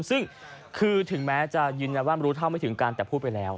ซึ่งคือถึงแม้จะยืนยันว่ารู้เท่าไม่ถึงการแต่พูดไปแล้ว